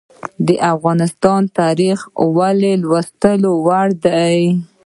د افغانستان تاریخ ولې د لوستلو وړ دی؟